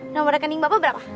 nomor rekening bapak berapa